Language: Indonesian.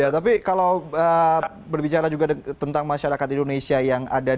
tapi kalau berbicara juga tentang masyarakat indonesia yang ada di